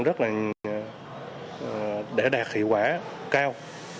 để đạt hiệu quả cao